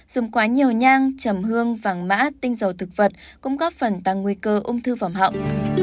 dùng quá nhiều nhang chầm hương vàng mã tinh dầu thực vật cũng góp phần tăng nguy cơ ung thư vòng họng